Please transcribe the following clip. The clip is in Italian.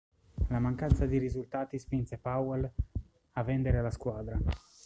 La mancanza di risultati spinse Powell a vendere la squadra.